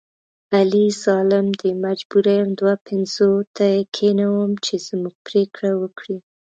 علي ظالم دی مجبوره یم دوه پنځوته یې کېنوم چې زموږ پرېکړه وکړي.